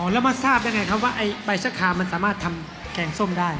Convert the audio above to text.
แล้วมาทราบได้ไงครับว่าไอ้ใบชะคามมันสามารถทำแกงส้มได้